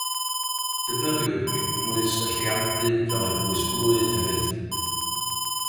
Defnyddiwyd eglwys y lleiandy fel eglwys blwyf hefyd.